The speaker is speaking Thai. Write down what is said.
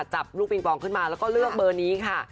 จับลูกปิงปองขึ้นมาแล้วก็เลือกเบอร์นี้ค่ะ